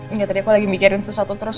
enggak jadi aku lagi mikirin sesuatu terus